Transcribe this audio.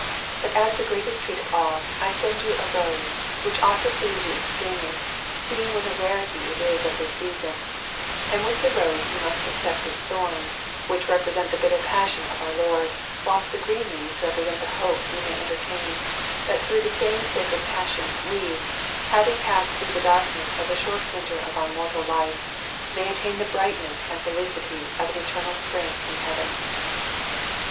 But as the greatest treat of all, I send you a rose, which ought to please you extremely, seeing what a rarity it is at this season; and with the rose you must accept its thorns, which represent the bitter passion of our Lord, whilst the green leaves represent the hope we may entertain that through the same sacred passion we, having passed through the darkness of the short winter of our mortal life, may attain to the brightness and felicity of an eternal spring in heaven."